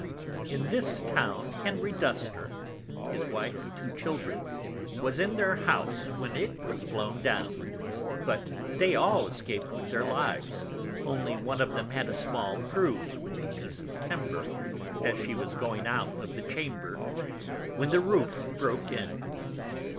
In this Town Henry Dunster, his Wife and 2 Children, was in their House when it was blown down, but they all escaped with their Lives, only one of them had a small Bruise with a piece of Timber, as she was going out of the Chamber when the Roof broke in.